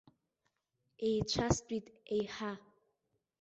Еицәастәит еиҳа.